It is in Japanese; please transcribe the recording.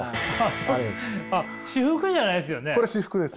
あっ私服じゃないですよね？